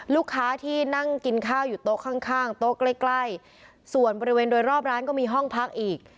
ลูกค้าที่นั่งกินข้าวอยู่โต๊ะข้างข้างโต๊ะใกล้ใกล้ส่วนบริเวณโดยรอบร้านก็มีห้องพักอีก